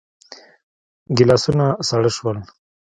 ګيلاسونه ساړه شول.